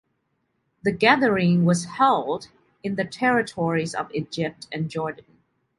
The gathering was held in the territories of Egypt and Jordan.